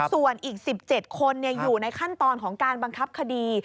ส่วนอีก๑๗คนอยู่ในขั้นตอนของการบังคับคดี